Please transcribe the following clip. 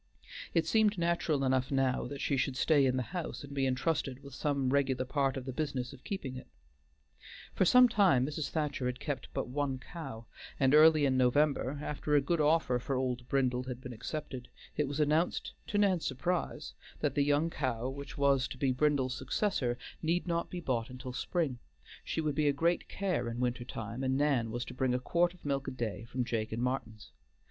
It seemed natural enough now that she should stay in the house, and be entrusted with some regular part of the business of keeping it. For some time Mrs. Thacher had kept but one cow, and early in November, after a good offer for old Brindle had been accepted, it was announced to Nan's surprise that the young cow which was to be Brindle's successor need not be bought until spring; she would be a great care in winter time, and Nan was to bring a quart of milk a day from Jake and Martin's.